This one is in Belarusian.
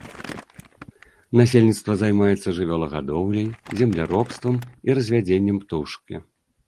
Насельніцтва займаецца жывёлагадоўляй, земляробствам і развядзеннем птушкі.